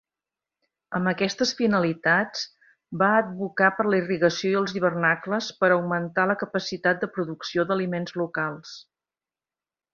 Amb aquestes finalitats, va advocar per la irrigació i els hivernacles per augmentar la capacitat de producció d'aliments locals.